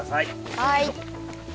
はい！